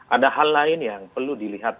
ada hal lain yang perlu dilihat